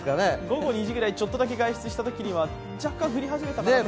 午後２時くらいちょっとだけ外出したときには若干降り始めたかなという。